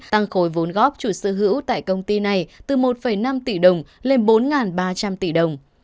tăng khối vốn góp chủ sở hữu tại công ty này từ một năm tỷ đồng lên bốn ba trăm linh tỷ đồng